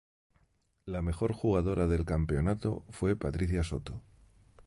La mejor jugadora del campeonato fue Patricia Soto.